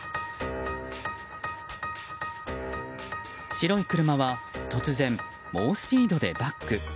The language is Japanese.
白い車は突然、猛スピードでバック。